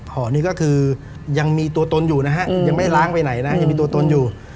ห่อนี้ก็คือยังมีตัวตนอยู่นะฮะยังไม่ล้างไปไหนนะยังมีตัวตนอยู่